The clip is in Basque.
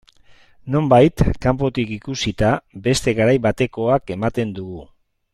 Nonbait, kanpotik ikusita, beste garai batekoak ematen dugu.